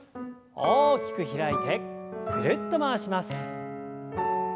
大きく開いてぐるっと回します。